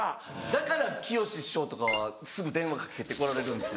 だからきよし師匠とかはすぐ電話かけて来られるんですね。